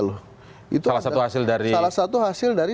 itu salah satu hasil dari